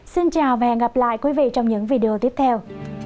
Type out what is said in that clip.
xin chào và hẹn gặp lại quý vị trong những video tiếp theo